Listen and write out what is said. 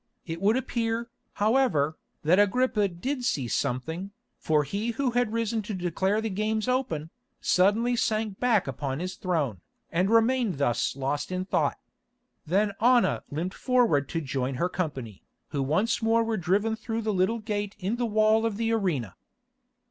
It would appear, however, that Agrippa did see something, for he who had risen to declare the games open, suddenly sank back upon his throne, and remained thus lost in thought. Then Anna limped forward to join her company, who once more were driven through the little gate in the wall of the arena.